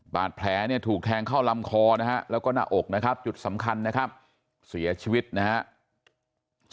บาดแผลถูกแทงเข้าลำคอและหน้าอกจุดสำคัญเสียชีวิตนะครับ